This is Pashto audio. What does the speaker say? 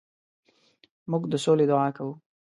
موږ د سولې دعا کوو.